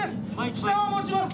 下を持ちます。